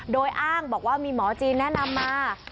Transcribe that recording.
โดยอ้างบอกว่ามีหมอจีนแนะนำมา